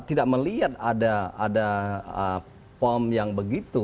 tidak melihat ada pom yang begitu